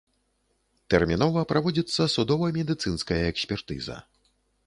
Тэрмінова праводзіцца судова-медыцынская экспертыза.